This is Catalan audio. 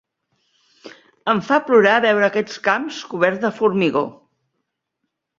Em fa plorar veure aquests camps coberts de formigó.